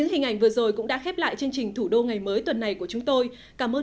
hãy đăng ký kênh để ủng hộ kênh của chúng tôi nhé